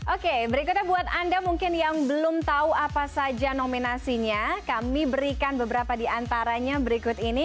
oke berikutnya buat anda mungkin yang belum tahu apa saja nominasinya kami berikan beberapa di antaranya berikut ini